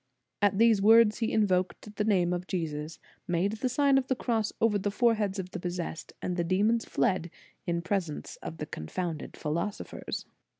At these words he invoked the name of Jesus, made the Sioqi of the Cross over the foreheads of o the possessed, and the demons fled, in pre sence of the confounded philosophers.